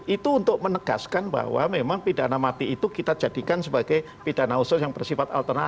itu untuk menegaskan bahwa memang pidana mati itu kita jadikan sebagai pidana khusus yang bersifat alternatif